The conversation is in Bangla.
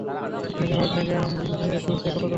দেখা যাক, সেকেন্ড শো তে কতজন আসে।